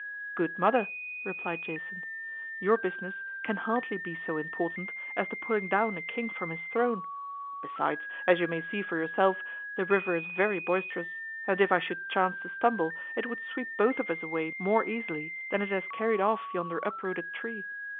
"Good mother," replied Jason, "your business can hardly be so important as the pulling down a king from his throne. Besides, as you may see for yourself, the river is very boisterous; and if I should chance to stumble, it would sweep both of us away more easily than it has carried off yonder uprooted tree.